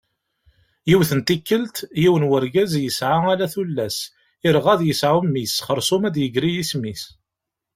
Yiwet n tikkelt, yiwen n urgaz, yesεa ala tullas, yerγa ad yesεu mmi-s, xersum ad d-yegri yisem-is.